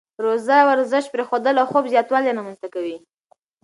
روزه ورزش پرېښودل او خوب زیاتوالی رامنځته کوي.